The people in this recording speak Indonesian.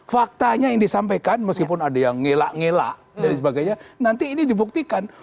faktanya yang disampaikan meskipun ada yang ngelak ngelak dan sebagainya nanti ini dibuktikan